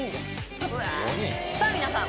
さあ皆さん